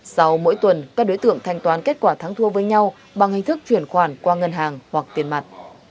sau mỗi tuần các đối tượng thanh toán kết quả thắng thua với nhau bằng hình thức chuyển khoản qua ngân hàng hoặc tiền mặt